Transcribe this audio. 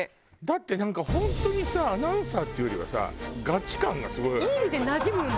だってなんか本当にさアナウンサーっていうよりはさガチ感がすごいわよ。